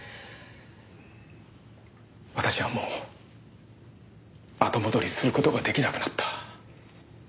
私はもう後戻りする事が出来なくなった。